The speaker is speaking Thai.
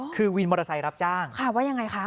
คือวินมอเตอร์ไซค์รับจ้างค่ะว่ายังไงคะ